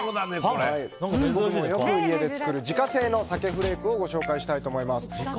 僕もよく家で作る自家製の鮭フレークをご紹介したいと思います。